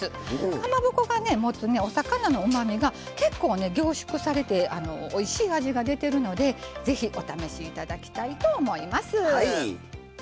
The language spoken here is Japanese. かまぼこが持つお魚のうまみが結構ね凝縮されておいしい味が出てるのでぜひお試し頂きたいと思います。